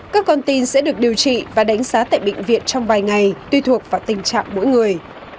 các con tin sẽ được điều trị và đánh giá tại bệnh viện trong vài ngày tùy thuộc vào tình trạng mỗi người